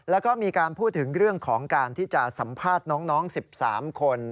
แล้วก็มีการพูดถึงเรื่องของการที่จะสัมภาษณ์น้อง๑๓คน